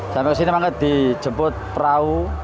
sampai kesini dijemput perahu